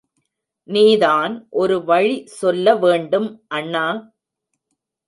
நீ தான் ஒரு வழி சொல்ல வேண்டும், அண்ணா!